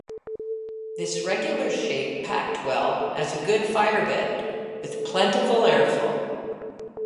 This regular shape packed well as a good firebed, with plentiful airflow.